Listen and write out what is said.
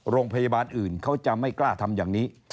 โรงพยาบาลอื่นเขาจะไม่กล้าทำอย่างนี้